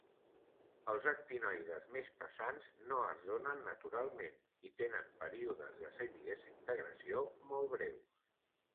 Els actinoides més pesants no es donen naturalment i tenen períodes de semidesintegració molt breus.